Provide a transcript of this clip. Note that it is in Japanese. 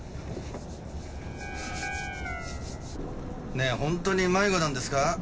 ねえほんとに迷子なんですか？